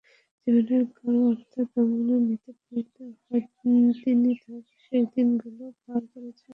জীবনের গূঢ় অর্থ আমলে নিলে বলতে হয়, তিনি তার শেষদিনগুলি পার করছেন।